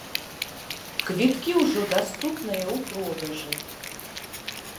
Квіткі ўжо даступныя ў продажы.